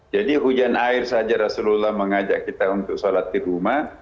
jadi hujan air saja rasulullah mengajak kita untuk salat di rumah